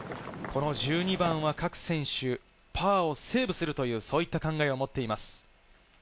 この１２番は各選手、パーをセーブするというそういった考えを持っています。